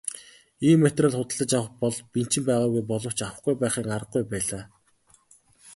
Ийм материал худалдаж авах бэл бэнчин байгаагүй боловч авахгүй байхын аргагүй байлаа.